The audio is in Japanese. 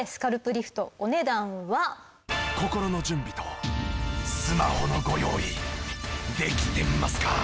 心の準備とスマホのご用意できてますか？